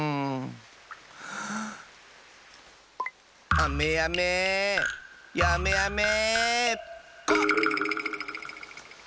あめやめやめあめコッ！